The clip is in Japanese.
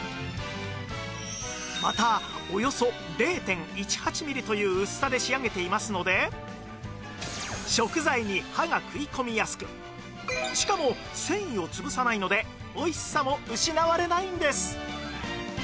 またおよそ ０．１８ ミリという薄さで仕上げていますので食材に刃が食い込みやすくしかも繊維を潰さないのでおいしさも失われないんです